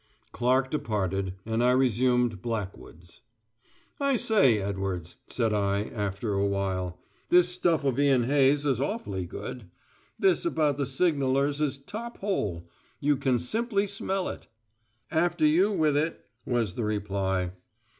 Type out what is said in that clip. Clark departed, and I resumed Blackwood's. "I say, Edwards," said I, after a while. "This stuff of Ian Hay's is awfully good. This about the signallers is top hole. You can simply smell it!" "After you with it," was the reply.